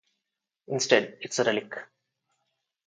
Instead, it's a relic.